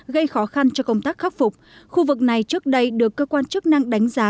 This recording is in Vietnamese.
gây khó khăn cho công tác khắc phục khu vực này trước đây được cơ quan chức năng đánh giá